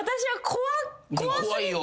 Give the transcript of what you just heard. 怖いよ。